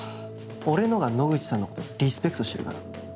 俺のが野口さんのことリスペクトしてるから。